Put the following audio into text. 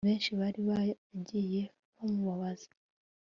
benshi bari baragiye bamubabaza